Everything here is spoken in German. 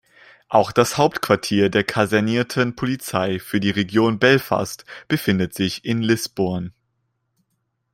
Auch das Hauptquartier der kasernierten Polizei für die Region Belfast befindet sich in Lisburn.